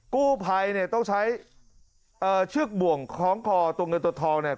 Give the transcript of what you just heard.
กู้ภัยเนี่ยต้องใช้เชือกบ่วงคล้องคอตัวเงินตัวทองเนี่ย